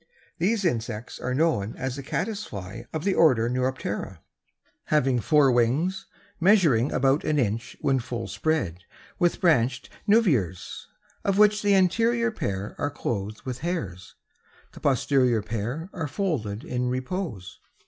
These insects are known as the caddis fly of the order Neuroptera, having four wings, measuring about an inch when full spread, with branched nervures, of which the anterior pair are clothed with hairs; the posterior pair are folded in repose.